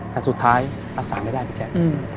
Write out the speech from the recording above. แต่สุดท้ายรักษาไม่ได้พี่แจ๊ค